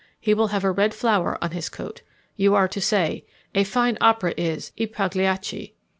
He will have a red flower on his coat. You are to say, "A fine opera is 'I Pagliacci.'"